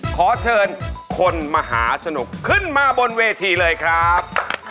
ขอเชิญคนมหาสนุกขึ้นมาบนเวทีเลยครับ